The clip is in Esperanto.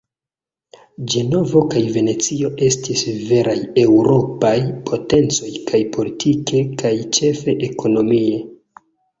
Ĝenovo kaj Venecio estis veraj eŭropaj potencoj kaj politike kaj ĉefe ekonomie.